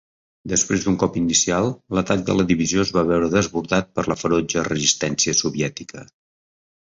Després d'un cop inicial, l'atac de la divisió es va veure desbordat per la ferotge resistència soviètica.